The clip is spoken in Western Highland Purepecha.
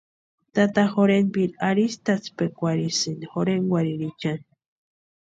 Tata jorhentpiri arhitʼatsperakwasïnti jorhenkwarhiriichani.